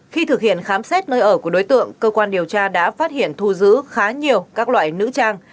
khi thực hiện khám xét nơi ở của đối tượng cơ quan điều tra đã phát hiện thu giữ khá nhiều các loại nữ trang